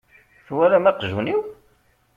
Twalam aqjun-iw?